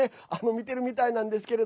見てるみたいなんですが。